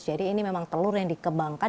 ini memang telur yang dikembangkan